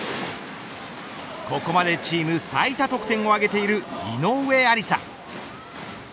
ここまでチーム最多得点を挙げている井上愛里沙。